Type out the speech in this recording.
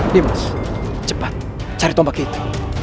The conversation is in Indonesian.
nimas cepat cari tombak itu